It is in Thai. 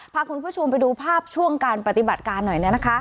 พาคุณผู้ชมไปดูภาพช่วงการปฏิบัติการหน่อย